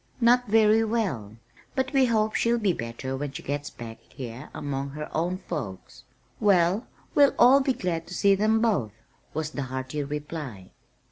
"Not very well, but we hope she'll be better when she gets back here among her own folks." "Well, we'll all be glad to see them both," was the hearty reply.